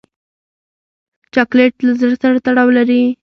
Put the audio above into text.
چاکلېټ له زړه سره تړاو لري.